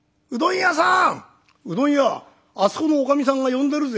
「うどん屋あそこのおかみさんが呼んでるぜ」。